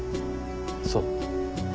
そう。